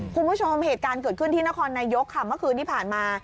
คุณผู้ชมเหตุการณ์เกิดขึ้นที่นครนายกค่ะเมื่อคืนที่ผ่านมา